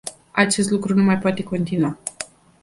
Acest lucru nu mai poate continua.